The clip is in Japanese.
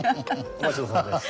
お待ち遠さまです。